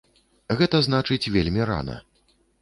Гэта значыць вельмі рана.